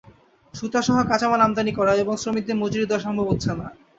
সুতাসহ কাঁচামাল আমদানি করা এবং শ্রমিকদের মজুরি দেওয়া সম্ভব হচ্ছে না।